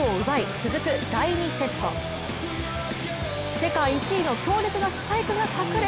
世界１位の強烈なスパイクがさく裂。